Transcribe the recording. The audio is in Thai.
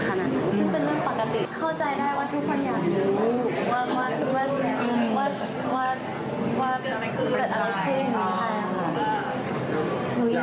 ซึ่งเป็นเรื่องปกติเข้าใจได้ว่าทุกคนอยากรู้ว่า